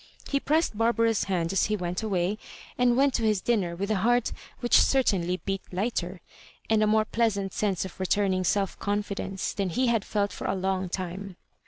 He pressed Barbara's hand as he went away, and went to his dinner with a heart which certainly beat lighter, and a more {feasant sense of returning self confidence, than he had felt for a long time.